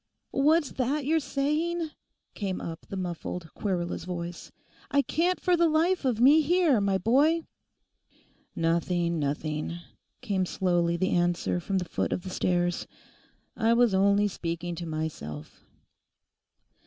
'What's that you're saying?' came up the muffled, querulous voice; 'I can't for the life of me hear, my boy.' 'Nothing, nothing,' came softly the answer from the foot of the stairs. 'I was only speaking to myself.